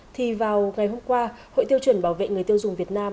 thì vào ngày hôm qua hội tiêu chuẩn bảo vệ người tiêu dùng việt nam